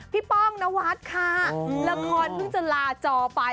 ป้องนวัดค่ะละครเพิ่งจะลาจอไป